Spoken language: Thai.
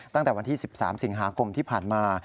ตั้งแต่วันที่๑๓สิงหาคมที่ผ่านมา